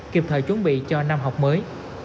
kịp thời chuẩn bị cho năm học mới